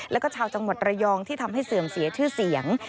แล้วก็ชาวจังหวัดระยองที่ทำให้เสื่อมเสียชื่อเสียง